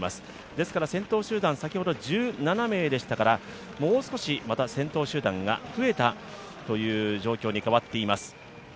ですから先頭集団、先ほど１７名でしたからもう少しまた先頭集団が増えたという状況に変わっています。